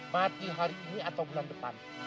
mati hari ini atau bulan depan